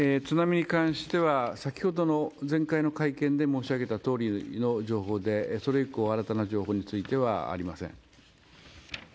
津波に関しては先ほどの前回の会見で申し上げたとおりの情報でそれ以降、新たな情報についてはありません。